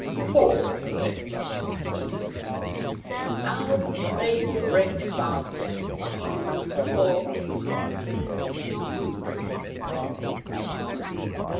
"Poor Professor!" he murmured. "Our playful friend Barton has much to answer for."